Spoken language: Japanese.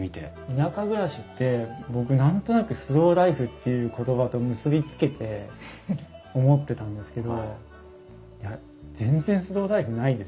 田舎暮らしって僕何となくスローライフっていう言葉と結び付けて思ってたんですけど全然スローライフないですね。